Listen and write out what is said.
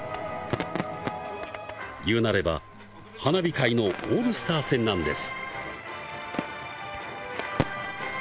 言うなれば、花火界のオールスター戦なんです。